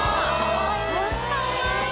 かわいい。